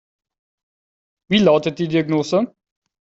Wie lautet die Diagnose?